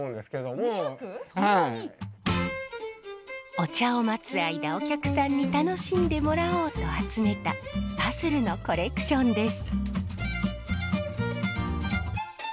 お茶を待つ間お客さんに楽しんでもらおうと集めたパズルのコレクションです。